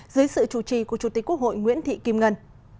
dưới sự chủ trì của chủ tịch quốc hội nguyễn thị kim ngân